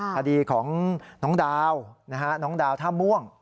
คดีของน้องดาวน้องดาวท่าม่วง